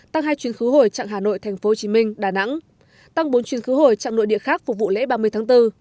tăng hai chuyến khứ hồi trạng hà nội tp hcm đà nẵng tăng bốn chuyến khứ hồi trạng nội địa khác phục vụ lễ ba mươi tháng bốn